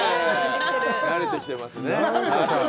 慣れてきてますね。